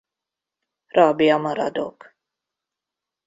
Rabja maradok.